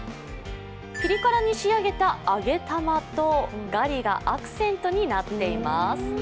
ピリ辛に仕上げた揚げ玉とガリがアクセントになっています。